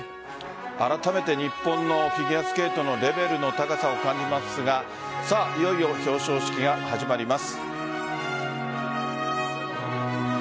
あらためて日本のフィギュアスケートのレベルの高さを感じますがいよいよ表彰式が始まります。